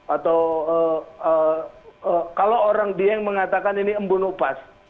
atau kalau orang dieng mengatakan ini embun upas